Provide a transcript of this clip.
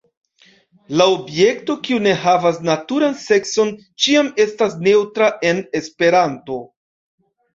La objekto kiu ne havas naturan sekson ĉiam estas neŭtra en Esperanto.